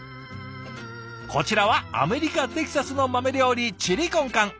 こちらはアメリカ・テキサスの豆料理チリコンカン。